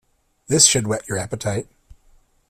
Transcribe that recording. This should whet your appetite.